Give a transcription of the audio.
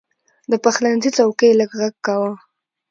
د پخلنځي څوکۍ لږ غږ کاوه.